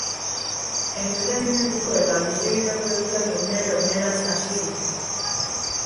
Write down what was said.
Entretenimenduko eta albistegietako edukiak egunero eguneratzen hasi ziren.